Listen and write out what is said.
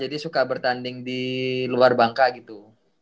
jadi suka bertanding di luar bangka gitu